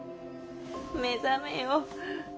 目覚めよ。